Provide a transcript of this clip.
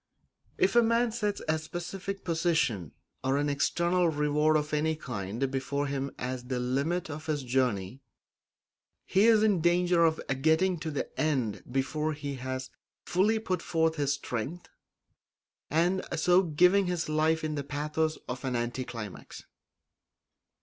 If a man sets a specific position or an external reward of any kind before him as the limit of his journey, he is in danger of getting to the end before he has fully put forth his strength, and so giving his life the pathos of an anti climax.